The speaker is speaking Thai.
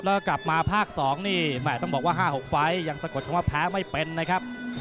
แล้วก็กลับมาภาค๒นี่แม่ต้องบอกว่า๕๖ไฟล์ยังสะกดคำว่าแพ้ไม่เป็นนะครับ